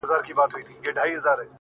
ما به له زړه درته ټپې په زړه کي وويلې”